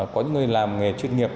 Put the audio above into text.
có những người làm nghề chuyên nghiệp